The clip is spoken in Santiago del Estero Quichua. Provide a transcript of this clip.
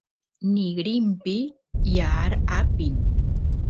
nigrinpi yaar apin